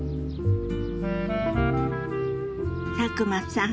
佐久間さん